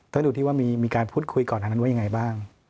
ต้องดูที่ว่ามีการพูดคุยก่อนอันนั้นว่ายังไงบ้าง